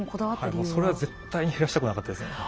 それは絶対に減らしたくなかったですよね。